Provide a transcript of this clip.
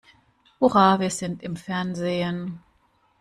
Hurra, wir sind im Fernsehen!